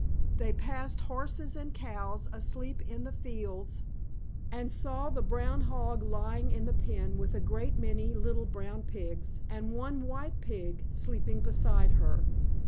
They passed Horses and Cows asleep in the fields, and saw the Brown Hog lying in the pen with a great many little Brown Pigs and one White Pig sleeping beside her.